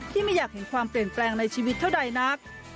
ไม่อยากเห็นความเปลี่ยนแปลงในชีวิตเท่าใดนัก